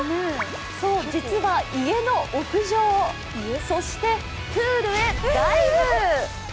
そう、実は家の屋上、そしてプールへダイブ。